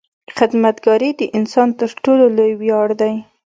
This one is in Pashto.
• خدمتګاري د انسان تر ټولو لوی ویاړ دی.